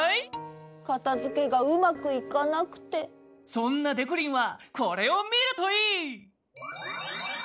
そんなでこりんはこれをみるといい！